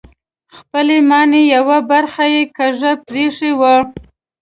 خپلې ماڼۍ یوه برخه یې کږه پرېښې وه.